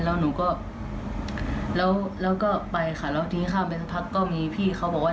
แล้วหนูก็ไปค่ะแล้วทีนี้ค่ะไปสักพักก็มีพี่เขาบอกว่า